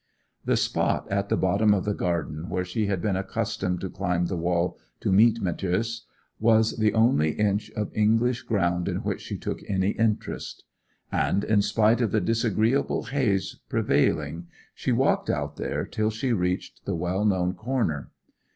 The spot at the bottom of the garden where she had been accustomed to climb the wall to meet Matthäus, was the only inch of English ground in which she took any interest; and in spite of the disagreeable haze prevailing she walked out there till she reached the well known corner.